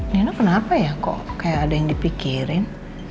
neno kenapa ya kok kayak ada yang dipikirin